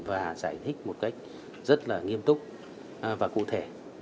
và giải thích một cách rất là nghiêm túc và cụ thể